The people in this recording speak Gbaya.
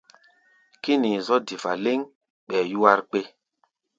Kínii zɔ̧́ difa lɛ́ŋ, ɓɛɛ yúwár kpé.